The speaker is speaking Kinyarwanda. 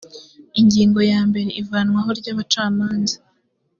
ingingo ya mbere ivanwaho ry abacamanza